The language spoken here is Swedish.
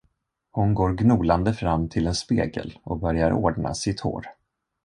Hon går gnolande fram till en spegel och börjar ordna sitt hår.